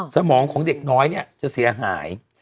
สมองของเด็กน้อยเนี่ยจะเสียหาย